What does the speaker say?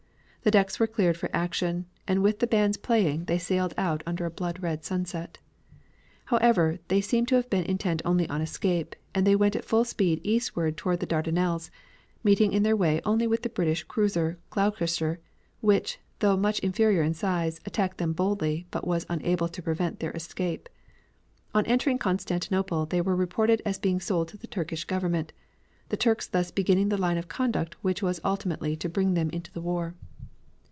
The decks were cleared for action, and with the bands playing they sailed out under a blood red sunset. However, they seem to have been intent only on escape, and they went at full speed eastward toward the Dardanelles, meeting in their way only with the British cruiser Gloucester, which, though much inferior in size, attacked them boldly but was unable to prevent their escape. On entering Constantinople they were reported as being sold to the Turkish Government, the Turks thus beginning the line of conduct which was ultimately to bring them into the war.